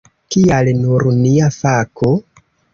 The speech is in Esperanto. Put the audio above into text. Kial nur nia fako?